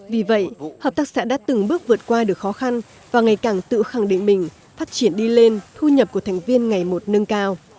vì vậy hợp tác xã đã từng bước vượt qua được khó khăn và ngày càng tự khẳng định mình phát triển đi lên thu nhập của thành viên ngày một nâng cao